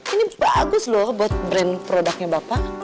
ini bagus loh buat brand produknya bapak